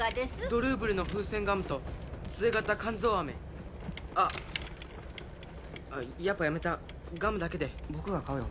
ドルーブルの風船ガムと杖型甘草あめあっやっぱやめたガムだけで僕が買うよ